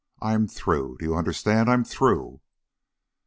I'm through. Do you understand? I'm through!"